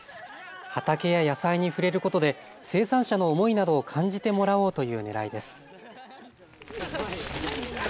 畑や野菜に触れることで生産者の思いなどを感じてもらおうというねらいです。